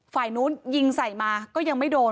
ฝ่ายนู้นยิงใส่มาก็ยังไม่โดน